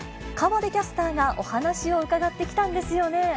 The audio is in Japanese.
河出キャスターがお話を伺ってきたんですよね。